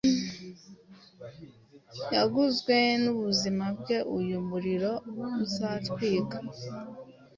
Yaguzwe nubuzima bwe uyu muriro uzatwika